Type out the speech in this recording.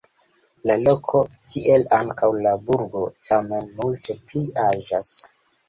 La loko kiel ankaŭ la burgo tamen multe pli aĝas.